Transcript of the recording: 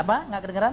apa gak kedengeran